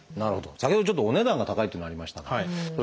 先ほどちょっとお値段が高いっていうのありましたが気になるのはね